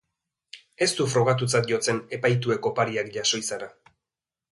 Ez du frogatutzat jotzen epaituek opariak jaso izana.